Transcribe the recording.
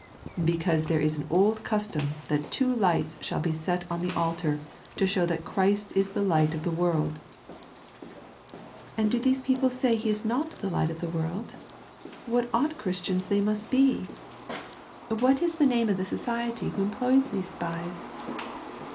"Because there is an old custom that two lights shall be set on the altar to show that Christ is the Light of the World." " And do these people say He is not the Light of the World ? What odd Christians they must be ! 36 ONLY A GHOST. What ia the name of the society who employs these spies